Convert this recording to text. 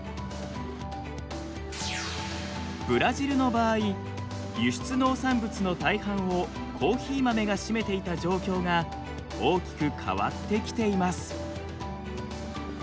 ブラジルの場合輸出農産物の大半をコーヒー豆が占めていた状況が大きく変わってきています。